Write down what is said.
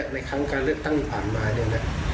ในครั้งการเลือกตั้งที่ผ่านมาเนี่ยนะ